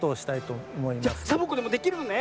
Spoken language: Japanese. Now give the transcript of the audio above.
じゃサボ子でもできるのね？